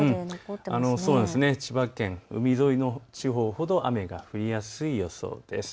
千葉県、海沿いの地方ほど雨が降りやすい予報です。